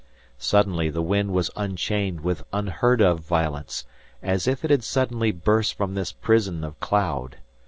Suddenly the wind was unchained with unheard of violence, as if it had suddenly burst from this prison of cloud.